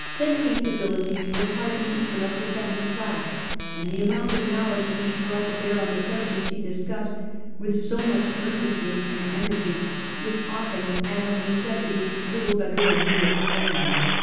Bentinck's abilities were hardly even of the second class ; and the amount of knowledge which he brought to bear on the questions he discussed with so much earnestness and energy was often and of necessity little better than mere cram.